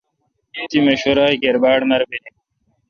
تی مشورہ کیر باڑ مربینی۔